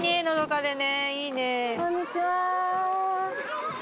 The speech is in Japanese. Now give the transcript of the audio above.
こんにちは。